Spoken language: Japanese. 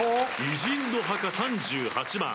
偉人の墓３８番。